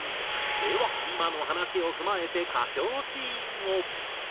では今の話を踏まえて歌唱シーンを。